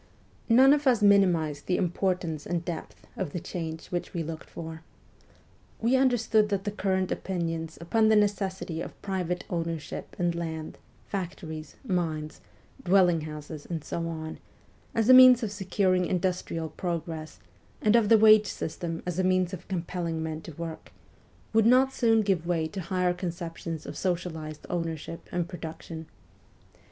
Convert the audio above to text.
None of us minimized the importance and depth of the change which we looked for. We understood that the current opinions upon the necessity of private ownership in land, factories, mines, dwelling houses, and so on, as a means of securing industrial progress, and of the wage system as a means of compelling men to work, would not soon give way to higher conceptions of socialized ownership and production.